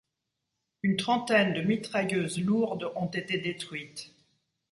Une trentaine de mitrailleuses lourdes ont été détruites.